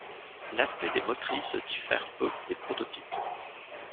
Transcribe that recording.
L'aspect des motrices diffère peu des prototypes.